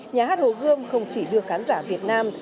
nhà hát hồ gươm không chỉ đưa khán giả việt nam